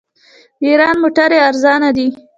د ایران موټرې ارزانه دي.